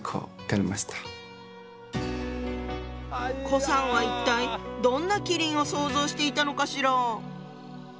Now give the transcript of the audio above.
顧さんは一体どんな麒麟を想像していたのかしら？